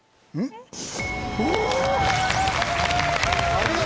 お見事！